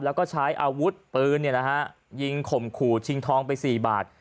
แล้วก็ใช้อาวุธปืนเนี่ยนะฮะยิงข่มขูดชิงทองไปสี่บาท